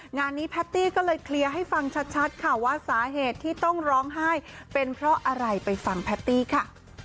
งานนี้แพตตี้ก็เลยเคลียร์ให้ฟังชัดค่ะว่าสาเหตุที่ต้องร้องไห้เป็นเพราะอะไรไปฟังแพตตี้ค่ะ